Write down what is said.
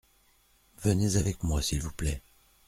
Venez avec moi s’il vous plait .